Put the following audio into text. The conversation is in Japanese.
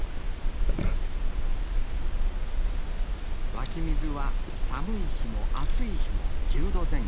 湧き水は寒い日も暑い日も１０度前後。